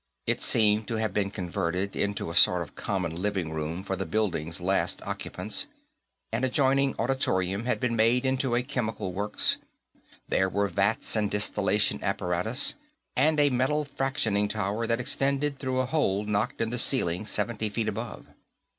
It seemed to have been converted into a sort of common living room for the building's last occupants. An adjoining auditorium had been made into a chemical works; there were vats and distillation apparatus, and a metal fractionating tower that extended through a hole knocked in the ceiling seventy feet above.